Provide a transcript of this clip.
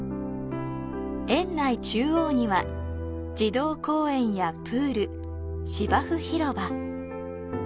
園内中央には、児童公園やプール、芝生広場。